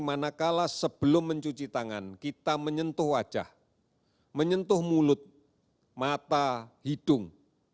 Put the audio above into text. manakala sebelum mencuci tangan kita menyentuh wajah menyentuh mulut mata hidung